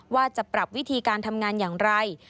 ว่าจะปรับวิธีการทำงานอย่างไร